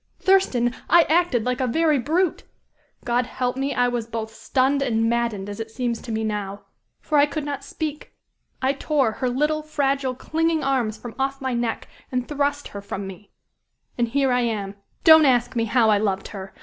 Thurston! I acted like a very brute! God help me, I was both stunned and maddened, as it seems to me now. For I could not speak. I tore her little, fragile, clinging arms from off my neck, and thrust her from me. And here I am. Don't ask me how I loved her!